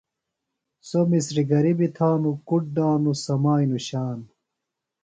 سوۡ مسِریۡ گِریۡ بیۡ تھانوۡ، کُڈ دانوۡ سمیانوۡ شان